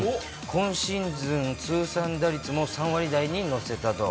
今シーズン通算打率も３割台に乗せたと。